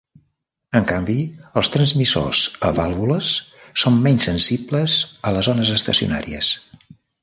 En canvi, els transmissors a vàlvules són menys sensibles a les ones estacionàries.